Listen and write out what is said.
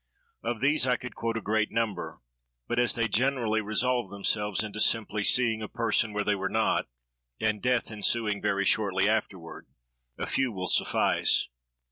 Of these I could quote a great number; but as they generally resolve themselves into simply seeing a person where they were not, and death ensuing very shortly afterward, a few will suffice.